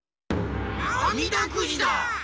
あみだくじだ！